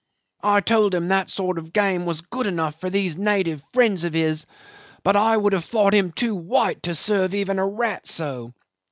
I told him that sort of game was good enough for these native friends of his, but I would have thought him too white to serve even a rat so.